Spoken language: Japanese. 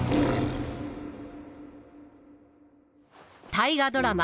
大河ドラマ